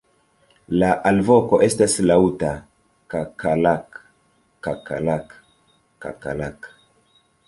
La alvoko estas laŭta "kakalak-kakalak-kakalak".